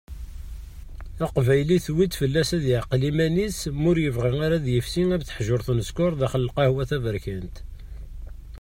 Aqbayli, tuwi-d fell-as ad yeɛqel iman-is ma ur yebɣi ara ad yefsi am teḥjurt n ssekker daxel lqahwa taberkant.